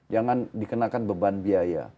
jangan dikenakan beban biaya